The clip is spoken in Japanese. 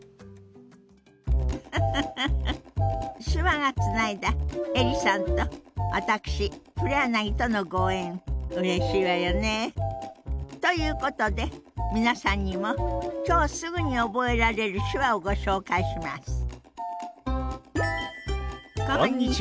手話がつないだ映里さんと私黒柳とのご縁うれしいわよね。ということで皆さんにも今日すぐに覚えられる手話をご紹介します。